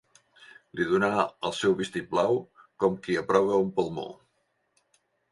Li donà el seu vistiplau com qui aprova un palmó.